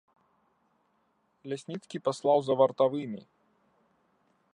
Лясніцкі паслаў за вартавымі.